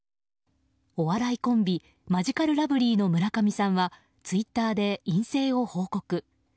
お笑いコンビマヂカルラブリーの村上さんはツイッターで陰性を報告。